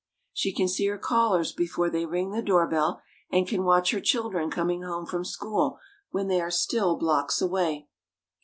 She can see her callers before they ring the door bell, and can watch her children coming home from school when they are still blocks away.